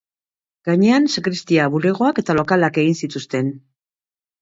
Gainean, sakristia, bulegoak eta lokalak egin zituzten.